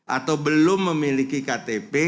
atau belum memiliki ktp